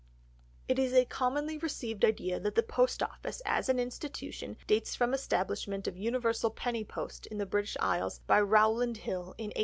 It is a commonly received idea that the Post Office as an institution dates from the establishment of universal penny post in the British Isles by Rowland Hill in 1840.